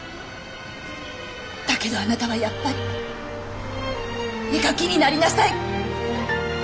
だけどあなたはやっぱり絵描きになりなさい！